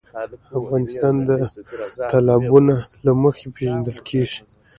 افغانستان د تالابونه له مخې پېژندل کېږي.